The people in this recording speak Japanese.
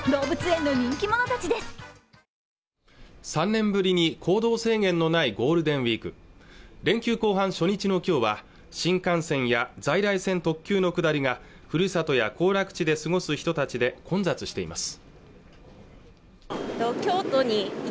３年ぶりに行動制限のないゴールデンウィーク連休後半初日のきょうは新幹線や在来線特急の下りが故郷や行楽地で過ごす人たちで混雑しています